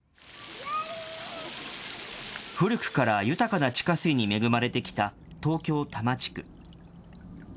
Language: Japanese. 古くから豊かな地下水に恵まれてきた東京・多摩地区。